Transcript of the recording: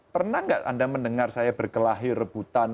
pernah nggak anda mendengar saya berkelahi rebutan